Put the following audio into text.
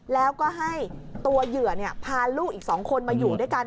แล้วก็ให้ตัวเหยื่อพาลูกอีก๒คนมาอยู่ด้วยกัน